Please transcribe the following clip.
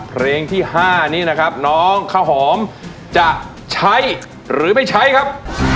เพลงที่๕นี้นะครับน้องข้าวหอมจะใช้หรือไม่ใช้ครับ